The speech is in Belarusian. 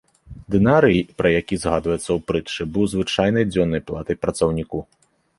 Дынарый, пра які згадваецца ў прытчы, быў звычайнай дзённай платай працаўніку.